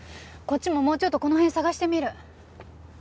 こっちももうちょっとこの辺捜してみる。